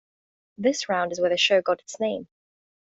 This round is where the show got its name.